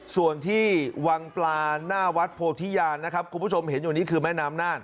ส่วนที่วังปลาหน้าวัดโพธิญาณนะครับคุณผู้ชมเห็นอยู่นี่คือแม่น้ำนาน